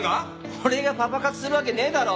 俺がパパ活するわけねえだろ！